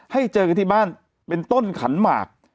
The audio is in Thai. ให้เจอกันที่บ้านเป็นต้นขันหมาก